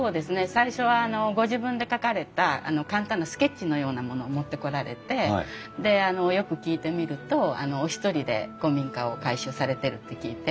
最初はあのご自分で描かれた簡単なスケッチのようなものを持ってこられてでよく聞いてみるとお一人で古民家を改修されてるって聞いて。